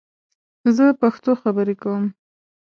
زه پښتو خبرې کوم